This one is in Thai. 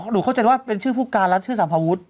อ๋อดูเข้าใจว่าเป็นชื่อภูการแล้วชื่อสัมภวุฒิ